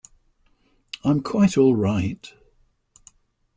I'm quite all right.